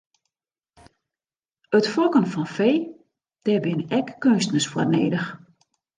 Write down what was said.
It fokken fan fee, dêr binne ek keunstners foar nedich.